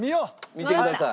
見てください。